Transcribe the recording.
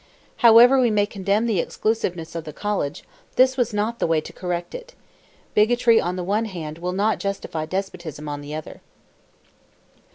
However we may condemn the exclusiveness of the College, this was not the way to correct it; bigotry on the one hand, will not justify despotism on the other.